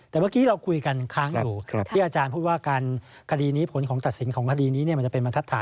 แต่เมื่อกี้เราคุยกันค้างอยู่ที่อาจารย์พูดว่าการคดีนี้ผลของตัดสินของคดีนี้มันจะเป็นบรรทัดฐาน